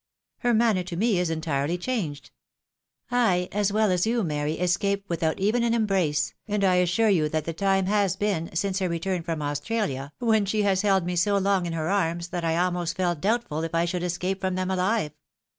Her manner to me is entirely changed. I, as well as you, Mary, escaped without even an embrace, and I assure you that the time has been, since her return from Australia, when she has held me so long in her arms, that I almost felt doubtful if I should escape from them alive.